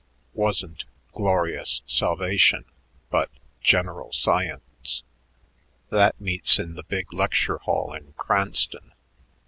wasn't glorious salvation but general science. That meets in the big lecture hall in Cranston.